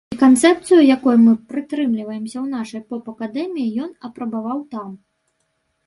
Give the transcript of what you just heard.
І канцэпцыю, якой мы прытрымліваемся ў нашай поп-акадэміі, ён апрабаваў там.